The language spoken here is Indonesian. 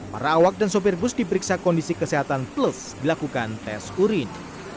para awak dan sopir bus diperiksa kondisi kesehatan plus dilakukan tes urin